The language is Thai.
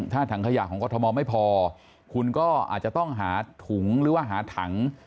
ถ้าถังขยะของกรทมไม่พอคุณก็อาจจะต้องหาถุงหรือว่าหาถัง